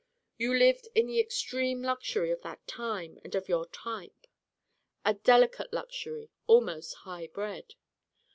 You lived in the extreme of luxury of that time and of your type a delicate luxury, almost high bred.